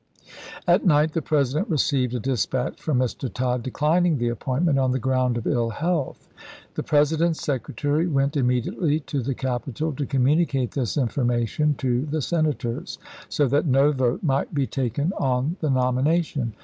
At night the President received a dispatch from lse*. Mr. Tod declining the appointment on the ground of ill health. The President's secretary went im mediately to the Capitol to communicate this information to the Senators, so that no vote might be taken on the nomination.